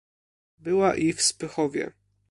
"Była i w Spychowie."